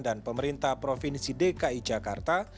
dan pemerintah provinsi dki jakarta